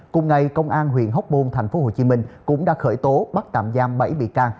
cùng ngày công an huyện hóc môn tp hcm cũng đã khởi tố bắt tạm giam bảy bị can